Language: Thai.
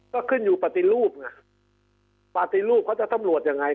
ก็ขึ้นอยู่ปฏิรูปไงปฏิรูปเขาจะตำรวจยังไง